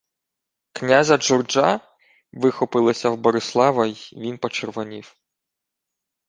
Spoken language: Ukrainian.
— Князя Джурджа? — вихопилося в Борислава, й він почервонів.